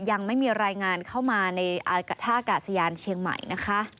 ยังไม่มีรายงานเข้ามาในท่ากาศยานเชียงใหม่นะคะ